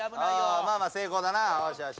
まあまあ成功だな。